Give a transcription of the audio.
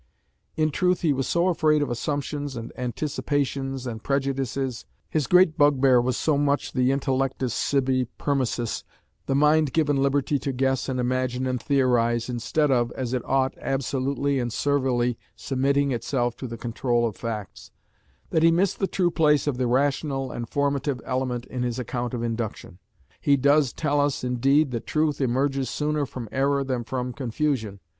In truth he was so afraid of assumptions and "anticipations" and prejudices his great bugbear was so much the "intellectus sibi permissus" the mind given liberty to guess and imagine and theorise, instead of, as it ought, absolutely and servilely submitting itself to the control of facts that he missed the true place of the rational and formative element in his account of Induction. He does tell us, indeed, that "truth emerges sooner from error than from confusion."